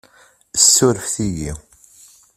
Ssurefet-iyi.